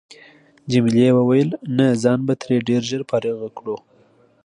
جميلې وويل: نه ځان به ترې ډېر ژر فارغ کړو.